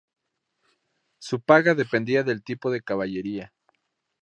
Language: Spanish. Su paga dependía del tipo de caballería.